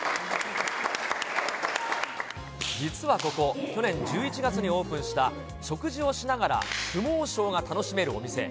実はここ、去年１１月にオープンした、食事をしながら相撲ショーが楽しめるお店。